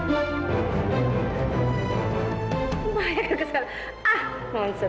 membahayakan keselamatan ah maaf